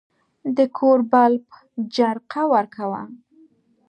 د کور بلب جرقه ورکاوه.